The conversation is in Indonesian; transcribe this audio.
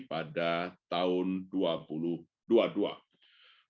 pertumbuhan ekonomi global diperkirakan tinggi pada tahun dua ribu dua puluh dua